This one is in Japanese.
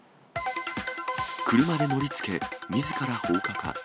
車で乗りつけみずから放火か。